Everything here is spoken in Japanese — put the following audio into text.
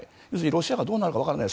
ロシアがどうなるか分からない